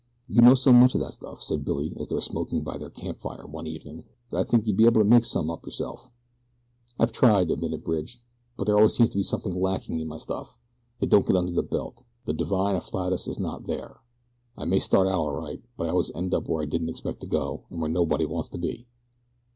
"You know so much of that stuff," said Billy as they were smoking by their camp fire one evening, "that I'd think you'd be able to make some up yourself." "I've tried," admitted Bridge; "but there always seems to be something lacking in my stuff it don't get under your belt the divine afflatus is not there. I may start out all right, but I always end up where I didn't expect to go, and where nobody wants to be."